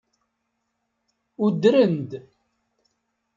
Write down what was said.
Udren-d.